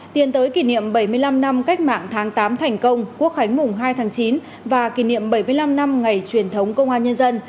tiến tới kỷ niệm bảy mươi năm năm cách mạng tháng tám thành công quốc khánh mùng hai tháng chín và kỷ niệm bảy mươi năm năm ngày truyền thống công an nhân dân